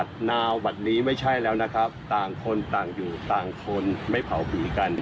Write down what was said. คนต่างอยู่ต่างคนไม่เผาผีกัน